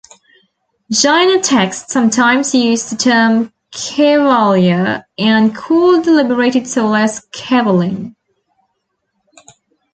Jaina texts sometimes use the term Kevalya, and call the liberated soul as Kevalin.